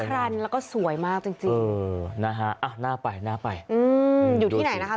ครันแล้วก็สวยมากจริงจริงเออนะฮะน่าไปน่าไปอืมอยู่ที่ไหนนะคะ